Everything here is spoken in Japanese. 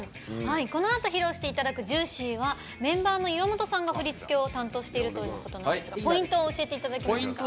このあと披露していただく「ＪＵＩＣＹ」はメンバーの岩本さんが振り付けを担当しているということですがポイントを教えていただけますか。